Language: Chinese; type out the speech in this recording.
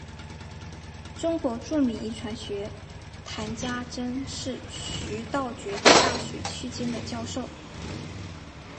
中国著名遗传学家谈家桢是徐道觉大学期间的教授。